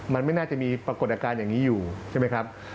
มันไม่น่าจะมีปรากฏอาการอย่างนี้อยู่ใช่ไหมครับ